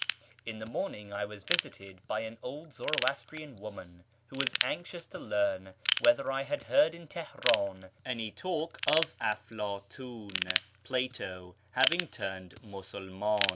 — In the morning I was visited by an old Zoroastrian woman, who was anxious to learn whether I had heard in Teheran any talk of Aflatim (" Plato ") having turned Musulman.